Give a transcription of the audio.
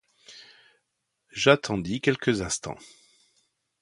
J’attendis quelques instants.